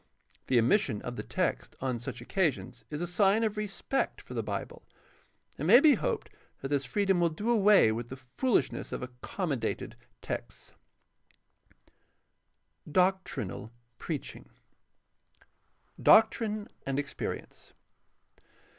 The omission of the text on such occasions is a sign of respect for the Bible. It may be hoped that this freedom will do away with the foolishness of accommodated texts. 4. DOCTRINAL PREACHING Doctrine and experience.